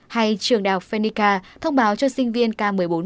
hay trường đại học phenica thông báo cho sinh viên k một mươi bốn một mươi năm